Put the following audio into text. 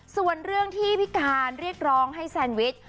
ส่วนเรื่องที่พี่การเรียกร้องให้แซนวิช